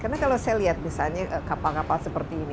karena kalau saya lihat kapal kapal seperti ini